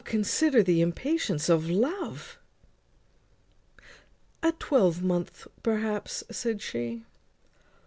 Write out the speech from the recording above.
consider the impatience of love." "A twelvemonth, perhaps," said she.